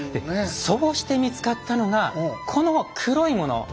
そうして見つかったのがこの黒いもの。